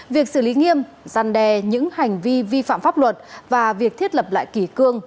việc xử lý nghiêm giăn đè những hành vi vi phạm pháp luật và việc thiết lập lại kỳ cương